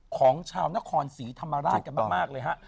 ของชาวนครศรีธรรมราชกันมากเลยฮะ